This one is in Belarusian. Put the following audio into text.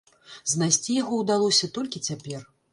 Знайсці яго ўдалося толькі цяпер.